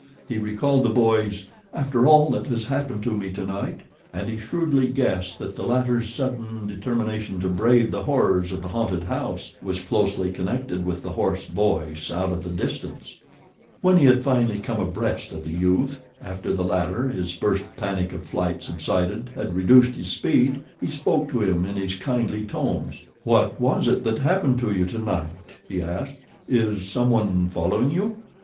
He recalled the boy's "after all that has happened to me tonight," and he shrewdly guessed that the latter's sudden determination to brave the horrors of the haunted house was closely connected with the hoarse voice out of the distance. When he had finally come abreast of the youth after the latter, his first panic of flight subsided, had reduced his speed, he spoke to him in his kindly tones. "What was it that happened to you to night?" he asked. "Is someone following you?